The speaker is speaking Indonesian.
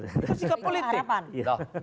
itu sikap politik